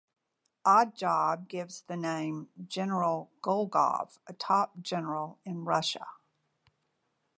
Oddjob gives the name: General Golgov, a top general in Russia.